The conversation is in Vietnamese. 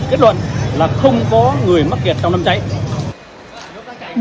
kết luận là không có người mắc kẹt